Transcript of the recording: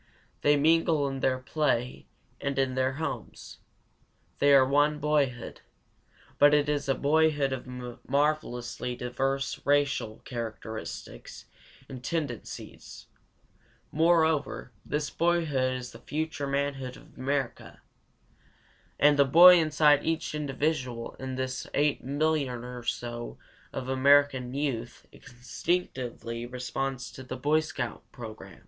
They mingle in their play and in their homes. They are one boyhood. But it is a boyhood of marvelously diverse racial characteristics and tendencies. Moreover, this boyhood is the future manhood of America. And the boy inside each individual in this 8,000,000 or so of American youth instinctively responds to the Boy Scout program.